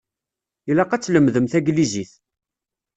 Ilaq ad tlemdem taglizit.